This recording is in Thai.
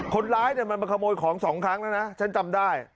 คนร้ายเนี่ยมาขโมยของสองครั้งนะฉันจำได้